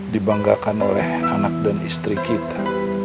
dibanggakan oleh anak dan istri kita